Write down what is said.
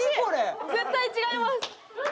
絶対違います！